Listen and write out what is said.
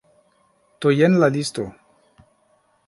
Do, jen la listo